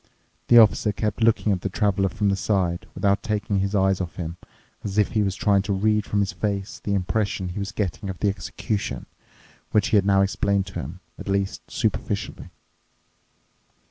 The Officer kept looking at the Traveler from the side, without taking his eyes off him, as if he was trying to read from his face the impression he was getting of the execution, which he had now explained to him, at least superficially.